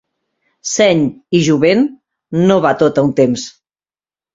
Seny i jovent, no va tot a un temps.